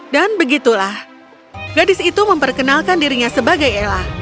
dan begitulah gadis itu memperkenalkan dirinya sebagai ella